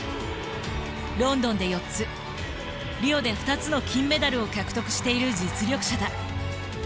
ロンドンで４つリオで２つの金メダルを獲得している実力者だ。